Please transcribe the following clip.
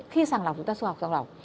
khi sàng lập chúng ta sẽ học sàng lập